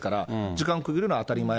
時間区切るのは当たり前。